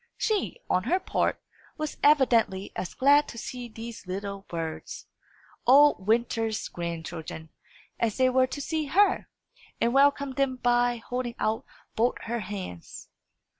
She, on her part, was evidently as glad to see these little birds, old Winter's grandchildren, as they were to see her, and welcomed them by holding out both her hands.